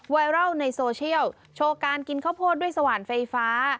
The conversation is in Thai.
ไวรัลในโซเชียลโชว์การกินข้าวโพดด้วยสว่านไฟฟ้า